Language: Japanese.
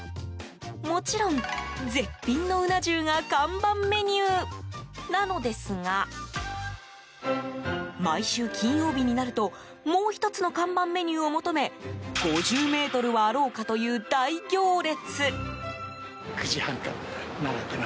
もちろん、絶品のうな重が看板メニューなのですが毎週金曜日になるともう１つの看板メニューを求め５０ｍはあろうかという大行列。